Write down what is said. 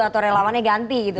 atau relawannya ganti gitu